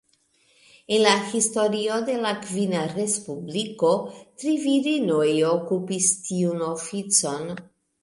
En la historio de la kvina Respubliko, tri virinoj okupis tiun oficon.